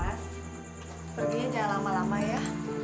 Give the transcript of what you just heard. perginya jangan lama lama ya